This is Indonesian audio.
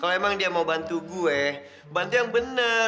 kalau emang dia mau bantu gue bantu yang benar